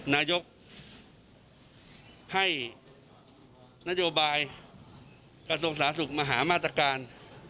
นายกให้นโยบายกระทรวงสาธารณสุขมาหามาตรการ